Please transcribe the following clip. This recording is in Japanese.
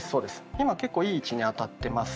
今結構いい位置に当たってますよ。